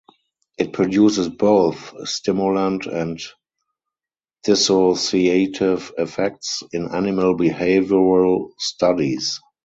It produces both stimulant and dissociative effects in animal behavioural studies.